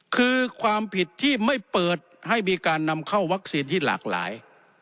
คือความผิดที่ไม่เปิดให้มีการนำเข้าวัคซีนที่หลากหลาย